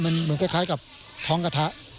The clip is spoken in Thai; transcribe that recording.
มันเหมือนคล้ายกับท้องกระทะ